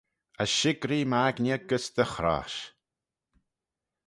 As shick'ree m'aigney gys dty chrosh.